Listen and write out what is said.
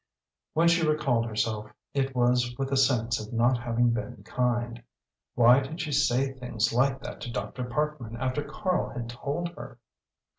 When she recalled herself it was with a sense of not having been kind. Why did she say things like that to Dr. Parkman after Karl had told her